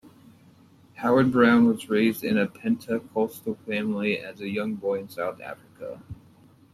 Howard-Browne was raised in a Pentecostal family as a young boy in South Africa.